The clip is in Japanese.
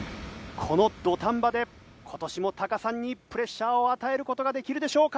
この土壇場で今年もタカさんにプレッシャーを与える事ができるでしょうか？